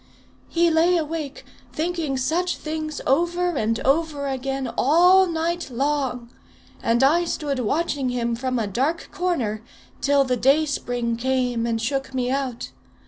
He lay awake, thinking such things over and over again, all night long, and I stood watching him from a dark corner, till the dayspring came and shook me out.